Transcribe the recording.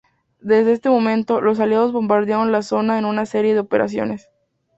Desde este momento, los aliados bombardearon la zona en una serie de operaciones.